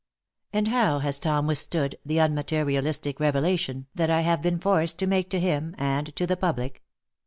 And how has Tom withstood the unmaterialistic revelation that I have been forced to make to him and to the public?